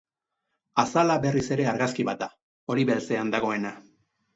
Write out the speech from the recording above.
Azala berriz ere argazki bat da, hori-beltzean dagoena.